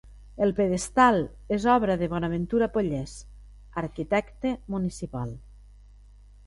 El pedestal és obra de Bonaventura Pollés, arquitecte municipal.